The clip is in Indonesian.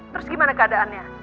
terus gimana keadaannya